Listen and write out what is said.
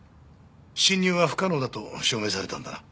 侵入は不可能だと証明されたんだな？